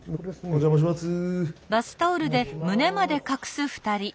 お邪魔します。